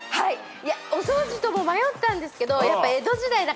お掃除とも迷ったんですけど。